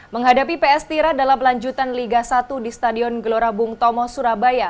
menghadapi ps tira dalam lanjutan liga satu di stadion gelora bung tomo surabaya